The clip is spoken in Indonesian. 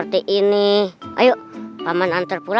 eh malah kabur